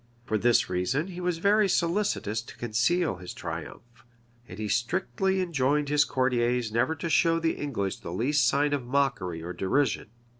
For this reason he was very solicitous to conceal his triumph; and he strictly enjoined his courtiers never to show the English the least sign of mockery or derision.